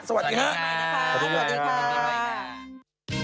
สวัสดีค่ะ